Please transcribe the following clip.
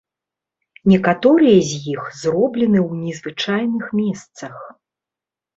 Некаторыя з іх зроблены ў незвычайных месцах.